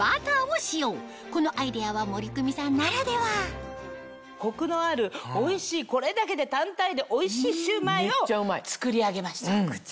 このアイデアは森クミさんならではコクのあるおいしいこれだけで単体でおいしいシュウマイを作り上げました。